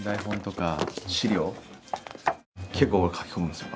結構書き込むんですよ。